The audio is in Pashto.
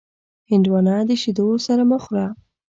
هندوانه د شیدو سره مه خوره.